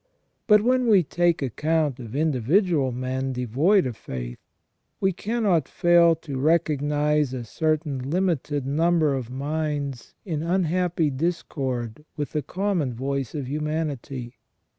But when we take account of individual men devoid of faith, we can not fail to recognize a certain limited number of minds in unhappy discord with the common voice of humanity.